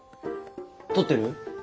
取ってる？